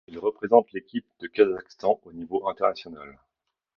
Il représente l'équipe de Kazakhstan au niveau international.